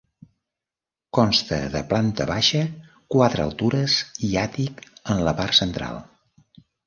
Consta de planta baixa, quatre altures i àtic en la part central.